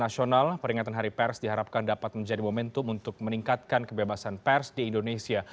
peringatan hari pers diharapkan dapat menjadi momentum untuk meningkatkan kebebasan pers di indonesia